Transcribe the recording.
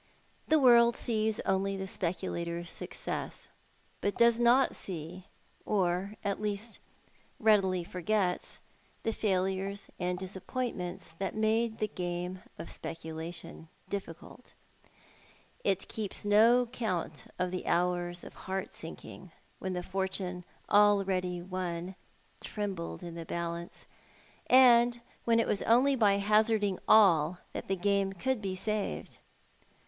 The world sees only the speculator's success, but does not see, or at least readily forgets, the failures and disappointments that made the game of speculation difficult. It keeps no count of the hours of heart sinking when the fortune already won trembled in the balance, and when it was only by hazarding all that the game could be saved.